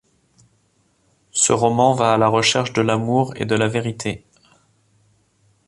Ce roman va à la recherche de l'Amour et de la Vérité.